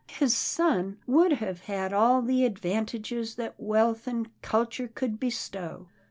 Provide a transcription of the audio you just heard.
His son would have had all the advantages that wealth and culture could bestow.